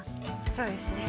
そうですね。